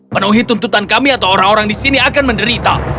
penuhi tuntutan kami atau orang orang di sini akan menderita